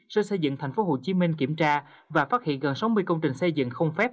sau xây dựng thành phố hồ chí minh kiểm tra và phát hiện gần sáu mươi công trình xây dựng không phép